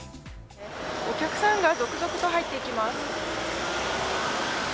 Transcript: お客さんが続々と入っていきます。